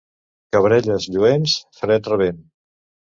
Cabrelles lluents, fred rabent.